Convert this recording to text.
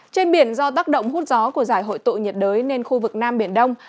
trên biển do tác động hút gió của giải hội tụ nhiệt đới nên khu vực nam biển đông